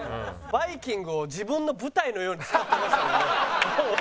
バイキングを自分の舞台のように使ってましたもんね。